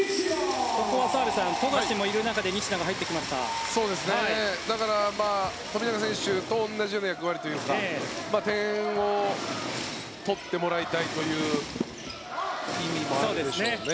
ここは澤部さん富樫もいる中でだから富永選手と同じ役割というか点を取ってもらいたいという意味もあるでしょうね。